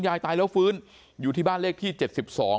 ยายตายแล้วฟื้นอยู่ที่บ้านเลขที่เจ็ดสิบสอง